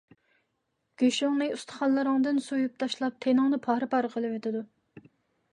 گۆشۈڭنى ئۇستىخانلىرىڭدىن سويۇپ تاشلاپ، تېنىڭنى پارە - پارە قىلىۋېتىدۇ.